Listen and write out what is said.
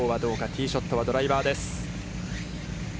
ティーショットはドライバーです。